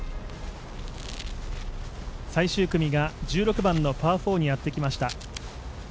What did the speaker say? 最終組が１６番のパー４にやってきました。